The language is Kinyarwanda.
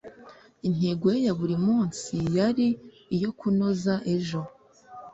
Intego ye ya buri munsi yari iyo kunoza ejo.